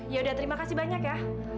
yaudah terima kasih banyak ya